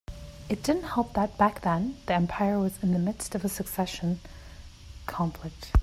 It didn't help that back then the empire was in the midst of a succession conflict.